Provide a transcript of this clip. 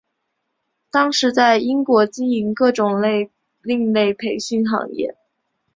当时在英国经营各种另类培训行业。